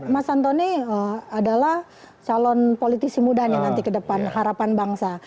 mas antoni adalah calon politisi muda nih nanti ke depan harapan bangsa